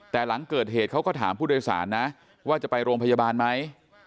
แต่หลังเกิดเหตุเขาก็ถามผู้โดยสารนะว่าจะไปโรงพยาบาลไหม